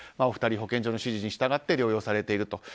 お二人、保健所の指示に従い療養されている。